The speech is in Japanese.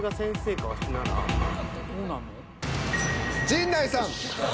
陣内さん。